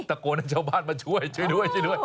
ตะโกนให้ชาวบ้านมาช่วยช่วยด้วยช่วยด้วย